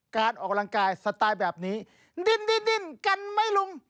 การออกกำลังกายสไตล์แบบนี้ดิ้นกันไหมลุง